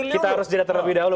kita harus jeda terlebih dahulu